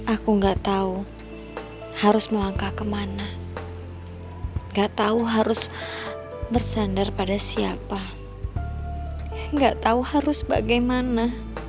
aku gak tau harus melangkah kemana gak tau harus bersandar pada siapa gak tau harus bagaimana